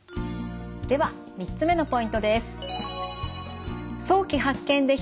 では３つ目のポイントです。